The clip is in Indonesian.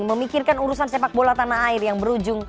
memikirkan urusan sepak bola tanah air yang berujung